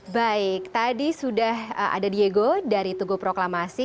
baik tadi sudah ada diego dari tugu proklamasi